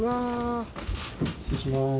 失礼します。